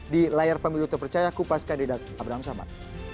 di layar pemilu terpercaya kupas kandidat abraham samad